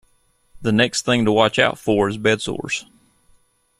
The next thing to watch out for is bed sores.